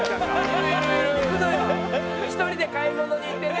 普段１人で買い物に行ってね。